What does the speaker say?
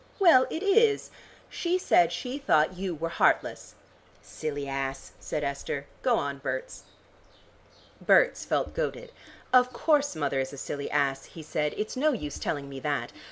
"Well, it is. She said she thought you were heartless." "Silly ass," said Esther. "Go on, Berts." Berts felt goaded. "Of course mother is a silly ass," he said. "It's no use telling me that.